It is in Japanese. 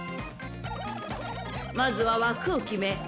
［まずは枠を決め